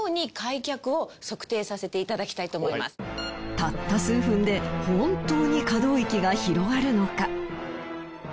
たった数分で本当に可動域が広がるのか？